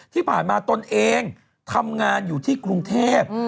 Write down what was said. ที่ผ่านมาตนเองทำงานอยู่ที่กรุงเทพ